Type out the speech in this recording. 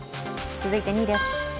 続いて２位です。